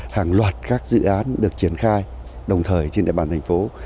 hàng loạt các dự án được triển khai đồng thời trên địa bàn thành phố